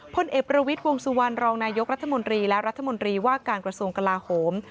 พลเอกประวิทย์วงสุวรรณรองนายกรัฐมนตรีและรัฐมนตรีว่าการกระทรวงกลาโหม